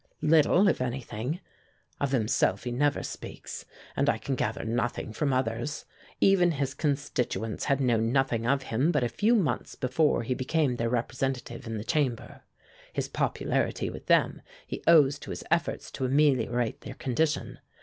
"Little, if anything. Of himself he never speaks, and I can gather nothing from others. Even his constituents had known nothing of him but a few months before he became their representative in the Chamber. His popularity with them he owes to his efforts to ameliorate their condition.